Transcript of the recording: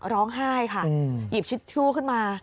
ร้องไห้ค่ะหยิบชิดชู่ขึ้นมา